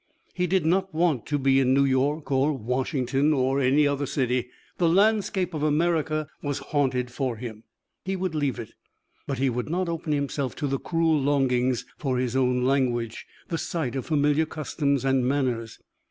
He did not want to be in New York, or Washington, or any other city; the landscape of America was haunted for him. He would leave it, but he would not open himself to the cruel longing for his own language, the sight of familiar customs and manners.